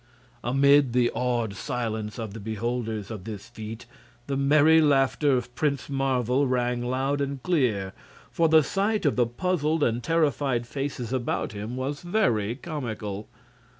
Amid the awed silence of the beholders of this feat the merry laughter of Prince Marvel rang loud and clear; for the sight of the puzzled and terrified faces about him was very comical.